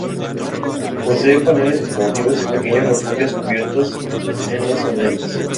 Posee paneles informativos, y pequeños refugios cubiertos en los andenes.